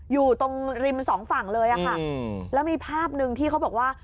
อยู่ตรงริมสองฝั่งเลยอะค่ะแล้วมีภาพหนึ่งที่เขาบอกว่า